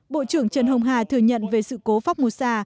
bộ trưởng trần hồng hà thừa nhận về sự cố phóng mô sa